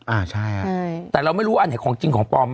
อ่าใช่แต่เราไม่รู้อันไหนของจริงของปลอม